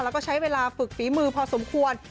แล้วก็ใช้เวลาฝึกฝีมือพอสมควร